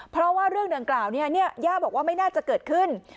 เพราะว่าเรื่องดังกล่าวย่าบอกว่าไม่น่าจะเกิดขึ้น